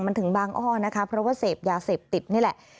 มันถึงบางอ้อนะคะเพราะว่าเสพยาเสพติดนี่แหละ